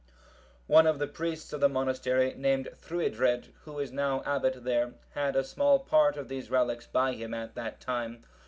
One of the priests of the monastery, named Thruidred, who is now abbot there, had a small part of these relics by him at that time.